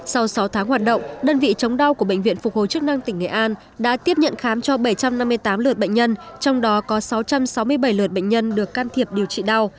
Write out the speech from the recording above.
sau sáu tháng hoạt động đơn vị chống đau của bệnh viện phục hồi chức năng tỉnh nghệ an đã tiếp nhận khám cho bảy trăm năm mươi tám lượt bệnh nhân trong đó có sáu trăm sáu mươi bảy lượt bệnh nhân được can thiệp điều trị đau